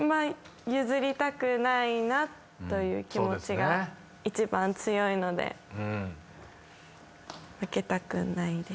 譲りたくないなという気持ちが一番強いので負けたくないです。